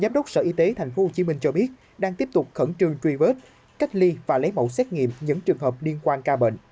giám đốc sở y tế tp hcm cho biết đang tiếp tục khẩn trương truy vết cách ly và lấy mẫu xét nghiệm những trường hợp liên quan ca bệnh